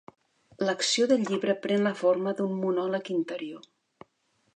L'acció del llibre pren la forma d'un monòleg interior.